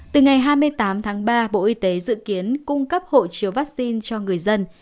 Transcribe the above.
từ ngày hai mươi tám tháng ba bộ y tế dự kiến cung cấp hộ chiếu vaccine cho người dân